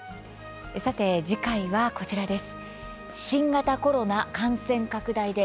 さて、次回はこちらです。